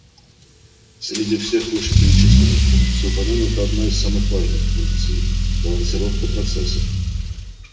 Среди всех вышеперечисленных функций упомянута одна из самых важных функций – балансировка процессов